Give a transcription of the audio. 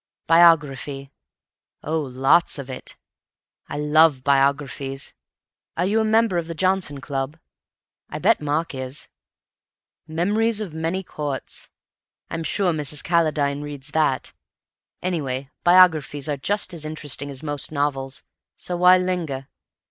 "Biography. Oh, lots of it. I love biographies. Are you a member of the Johnson Club? I bet Mark is. 'Memories of Many Courts'—I'm sure Mrs. Calladine reads that. Anyway, biographies are just as interesting as most novels, so why linger?